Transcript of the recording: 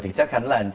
thì chắc hắn là